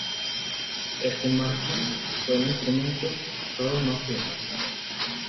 Este Mark V fue el instrumento Rhodes más fino.